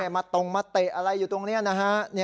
มาตรงมาเตะอะไรอยู่ตรงนี้นะฮะ